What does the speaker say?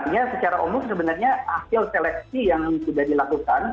artinya secara umum sebenarnya hasil seleksi yang sudah dilakukan